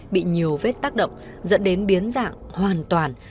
bị nhiều vết tác động dẫn đến biến dạng hoàn toàn